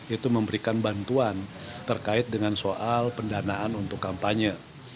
itu memberikan bantuan terkait dengan soal pendanaan untuk kampanye